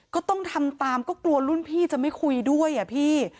ก็ต้องทำตามก็กลัวรุ่นพี่จะไม่คุยด้วยอะพี่